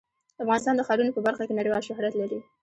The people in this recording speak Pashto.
افغانستان د ښارونه په برخه کې نړیوال شهرت لري.